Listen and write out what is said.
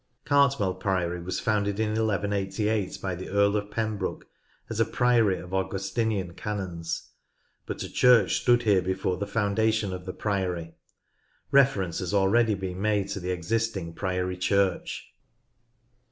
Cartmel Priory was founded in 1 1 88 by the Earl of Pembroke as a priory of Augustinian canons, but a church stood here before the foundation of the prior}'. Reference has already been made to the existing Prion Church.